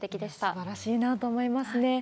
すばらしいなと思いますね。